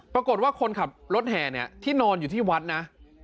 ปรากฏว่าคนขับรถแห่เนี่ยที่นอนอยู่ที่วัดนะ